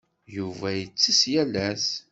Yuba yettess yal ass.